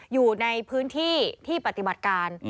อยู่ในพื้นที่ที่ปฏิบัติการ